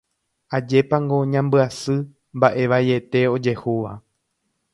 Ajépango ñambyasy mba'e vaiete ojehúva